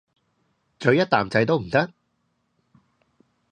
咀一啖仔都唔得？